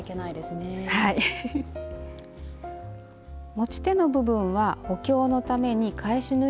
持ち手の部分は補強のために返し縫いをしておきます。